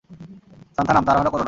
সান্থানাম, তাড়াহুড়া করো না।